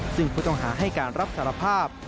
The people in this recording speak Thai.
ซึ่งผู้ต้องหาให้การรับสารภาพ